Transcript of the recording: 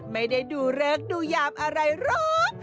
ไม่ได้ดูเลิกดูยามอะไรหรอก